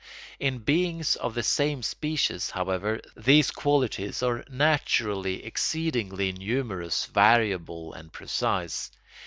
In beings of the same species, however, these qualities are naturally exceedingly numerous, variable, and precise.